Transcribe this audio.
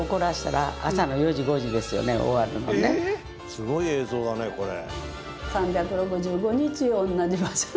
すごい映像だねこれ。